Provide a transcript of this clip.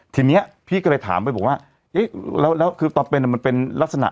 ทีนี้พี่ก็เลยถามไปบอกว่าเอ๊ะแล้วคือตอนเป็นมันเป็นลักษณะ